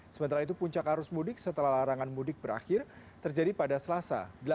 sementara itu puncak arus mudik setelah larangan mudik berakhir terjadi pada selasa